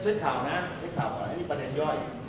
เช็คข่าวนะเช็คข่าวค่ะอันนี้ประเด็นย่อย